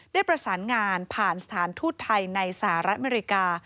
ได้ประสานงานผ่านสถานทูตไทยในสหรัฐอเมริกา